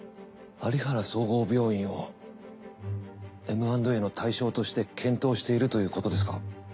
有原総合病院をＭ＆Ａの対象として検討しているということですか？